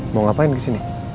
mau ngapain kesini